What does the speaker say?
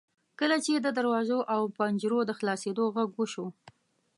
کله چې د دروازو او پنجرو د خلاصیدو غږ وشو.